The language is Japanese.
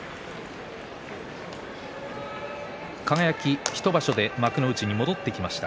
輝、１場所で幕内に戻ってきました。